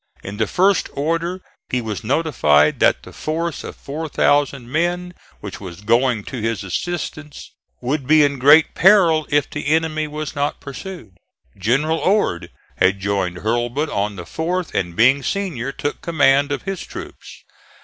In the first order he was notified that the force of 4,000 men which was going to his assistance would be in great peril if the enemy was not pursued. General Ord had joined Hurlbut on the 4th and being senior took command of his troops.